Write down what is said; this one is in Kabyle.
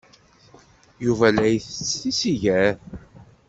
Yuba la isett tisigar.